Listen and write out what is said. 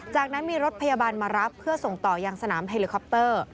จากนั้นมีรถพยาบาลมารับเพื่อส่งต่อยังสนามเฮลิคอปเตอร์